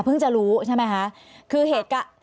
เพิ่งจะรู้ใช่ไหมคะ